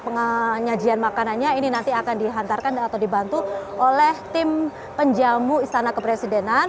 penyajian makanannya ini nanti akan dihantarkan atau dibantu oleh tim penjamu istana kepresidenan